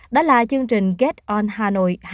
đó là chương trình get on hà nội